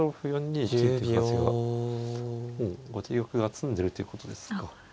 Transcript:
４二金っていう形が後手玉が詰んでるということですか。